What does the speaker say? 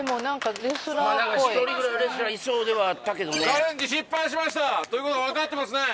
チャレンジ失敗しましたということは分かってますね？